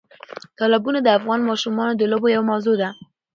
تالابونه د افغان ماشومانو د لوبو یوه موضوع ده.